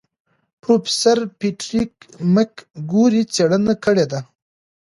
پروفیسور پیټریک مکګوري څېړنه کړې ده.